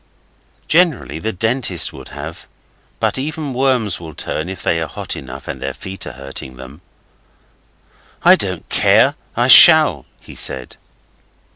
Generally the Dentist would have; but even worms will turn if they are hot enough, and if their feet are hurting them. 'I don't care, I shall!' he said.